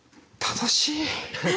楽しい。